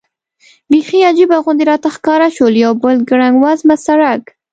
بېخي عجیبه غوندې راته ښکاره شول، یو بل ګړنګ وزمه سړک.